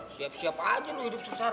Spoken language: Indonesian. siap siap aja lo hidup saksara